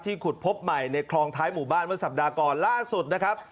ที่ขุดพบใหม่ในคลองไทหมู่บ้านเวิร์ดสัปดาห์ก่อนล่าสุดนะครับ